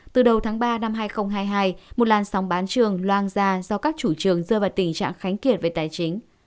từ đầu tháng ba năm hai nghìn hai mươi hai một làn sóng bán trường loang ra do các chủ trương rơi vào tình trạng khánh kiệt về tài chính